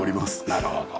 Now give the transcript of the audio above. なるほど。